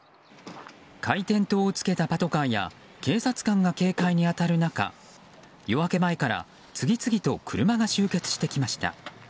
回転灯をつけたパトカーや警察官が警戒に当たる中夜明け前から次々と車が集結してきました。